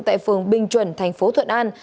tại phường bình chuẩn thành phố thuận an